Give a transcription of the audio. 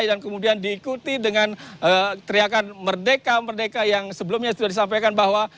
dan kemudian diikuti dengan teriakan merdeka merdeka yang sebelumnya sudah disampaikan bahwa